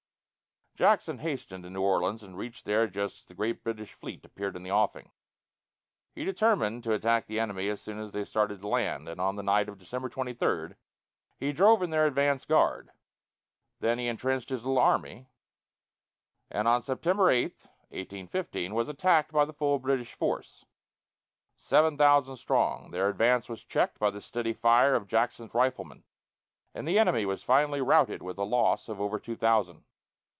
Jackson hastened to New Orleans, and reached there just as a great British fleet appeared in the offing. He determined to attack the enemy as soon as they started to land, and on the night of December 23 he drove in their advance guard. Then he intrenched his little army, and on January 8, 1815, was attacked by the full British force, seven thousand strong. Their advance was checked by the steady fire of Jackson's riflemen, and the enemy was finally routed with a loss of over two thousand.